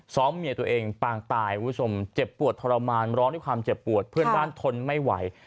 เมียตัวเองปางตายคุณผู้ชมเจ็บปวดทรมานร้องด้วยความเจ็บปวดเพื่อนบ้านทนไม่ไหว